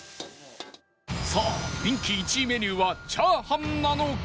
さあ人気１位メニューはチャーハンなのか？